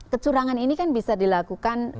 kecurangan ini kan bisa dilakukan